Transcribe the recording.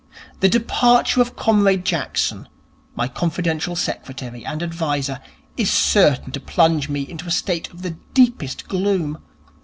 The departure of Comrade Jackson, my confidential secretary and adviser, is certain to plunge me into a state of the deepest gloom.